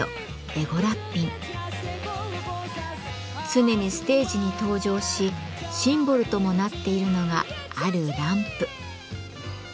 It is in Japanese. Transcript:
常にステージに登場しシンボルともなっているのがあるランプ。